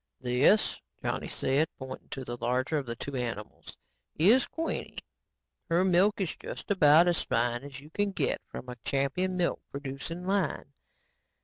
"This." Johnny said, pointing to the larger of the two animals, "is Queenie. Her milk is just about as fine as you can get from a champion milk producing line.